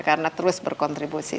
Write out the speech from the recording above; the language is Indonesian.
karena terus berkontribusi